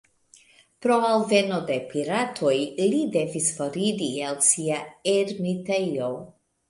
Pro alveno de piratoj, li devis foriri el sia ermitejo.